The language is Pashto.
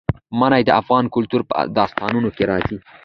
منی د افغان کلتور په داستانونو کې راځي.